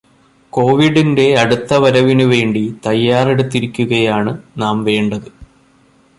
കോവിഡിന്റെ അടുത്ത വരവിനു വേണ്ടി തയ്യാറെടുത്തിരിക്കുകയാണ് നാം വേണ്ടത്.